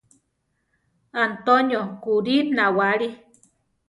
Antonio kurí nawáli.